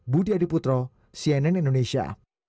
budi adiputro cnn indonesia